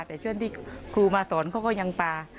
แต่ช่วงที่ครูมาสอนเขาก็ยังปลา